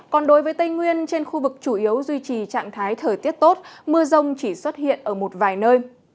còn đối với tây nguyên trên khu vực chủ yếu duy trì trạng thái thời tiết tốt mưa rông chỉ xuất hiện ở một vài nơi